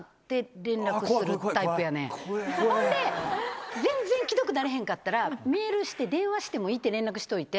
ほんで全然既読なれへんかったらメールして「電話してもいい？」って連絡しといて。